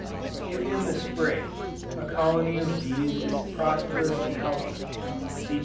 If in the Spring, a colony of bees is prosperous and healthy, (see p.